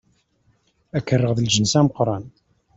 Ad k-rreɣ d lǧens ameqran.